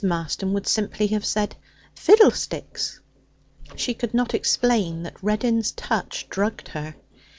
Marston would simply have said 'Fiddlesticks!' She could not explain that Reddin's touch drugged her.